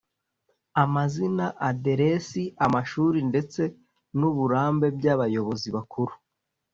amazina, aderesi, amashuri ndetse n’uburambe by’abayobozi bakuru;